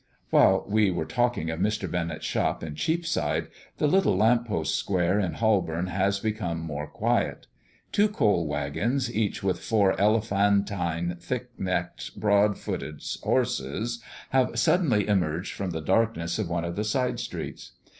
While we were talking of Mr. Bennett's shop in Cheapside, the little lamp post Square in Holborn has become more quiet. Two coal waggons, each with four elephantine, thick necked, broad footed horses have suddenly emerged from the darkness of one of the side streets.